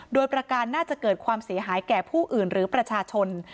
โดยประการน่าจะเกิดความเสียหายแก่ผู้อื่นหรือประชาชน